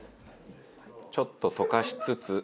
ちょっと溶かしつつ。